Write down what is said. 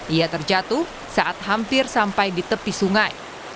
ia terjatuh saat hampir sampai di tepi sungai